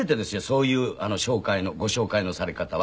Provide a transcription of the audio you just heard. そういう紹介のご紹介のされ方は。